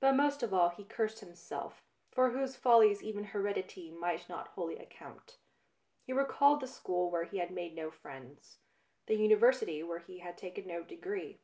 But most of all he cursed himself, for whose ftfllies even heredity might not wholly account. He recalled the school where he had made no friends, the Uni versity where he had taken no degree.